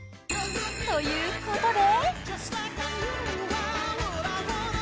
ということで。